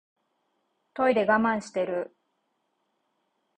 トイレ我慢してる